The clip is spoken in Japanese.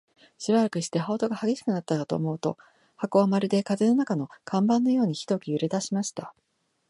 しばらくして、羽音が烈しくなったかと思うと、箱はまるで風の中の看板のようにひどく揺れだしました。